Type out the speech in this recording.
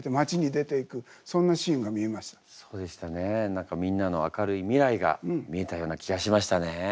何かみんなの明るい未来が見えたような気がしましたね。